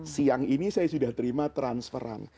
siang ini saya sudah terima transferan